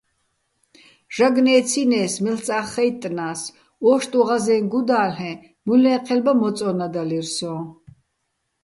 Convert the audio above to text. ჟაგნო̆ ე́ცინეს, მელ'წა́ხ ხაჲტტნა́ს, ო́შტუჼ ღაზეჼ გუდა́ლ'ე, მუჲლნე́ჴელბა მოწო́ნადალირ სოჼ.